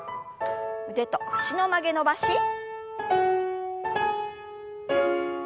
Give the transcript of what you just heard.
腕と脚の曲げ伸ばし。